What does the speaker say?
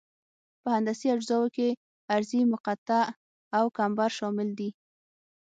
په هندسي اجزاوو کې عرضي مقطع او کمبر شامل دي